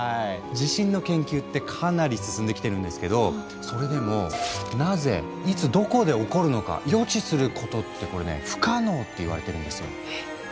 地震の研究ってかなり進んできてるんですけどそれでもなぜいつどこで起こるのか予知することってこれね不可能っていわれてるんですよ。